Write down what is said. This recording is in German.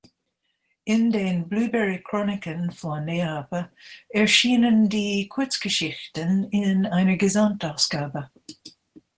In den Blueberry Chroniken von Ehapa erschienen die Kurzgeschichten in einer Gesamtausgabe.